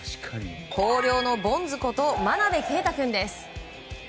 広陵のボンズこと真鍋慧君です。